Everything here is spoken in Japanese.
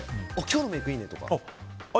今日のメイクいいねとか。